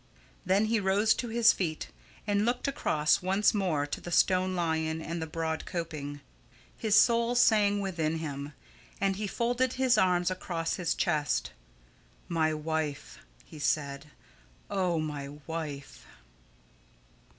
Then he rose to his feet and looked across once more to the stone lion and the broad coping. His soul sang within him, and he folded his arms across his chest. "My wife!" he said. "Oh! my wife!"